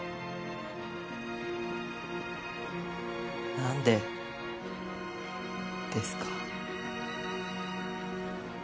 何でですか？